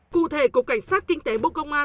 cụ thể cục cảnh sát kinh tế bộ công an